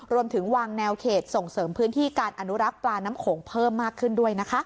รวมถึงวางแนวเขตส่งเสริมพื้นที่การอนุรักษ์ปลาน้ำโขงเพิ่มมากขึ้นด้วยนะคะ